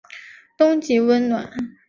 冬季温暖。